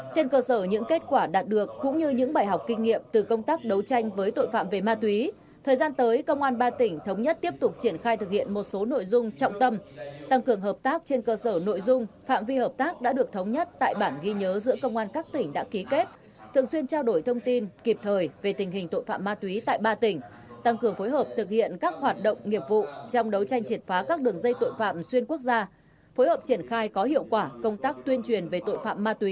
trên cơ sở những kết quả đạt được cũng như những bài học kinh nghiệm từ công tác đấu tranh với tội phạm về ma túy thời gian tới công an ba tỉnh thống nhất tiếp tục triển khai thực hiện một số nội dung trọng tâm tăng cường hợp tác trên cơ sở nội dung phạm vi hợp tác đã được thống nhất tại bản ghi nhớ giữa công an các tỉnh đã ký kết thường xuyên trao đổi thông tin kịp thời về tình hình tội phạm ma túy tại ba tỉnh tăng cường phối hợp thực hiện các hoạt động nghiệp vụ trong đấu tranh triển phá các đường dây tội phạm xuyên quốc gia phối hợp